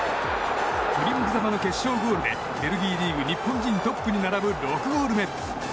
振り向きざまの決勝ゴールでベルギーリーグ日本人トップに並ぶ６ゴール目。